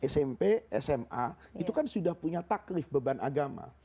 smp sma itu kan sudah punya taklif beban agama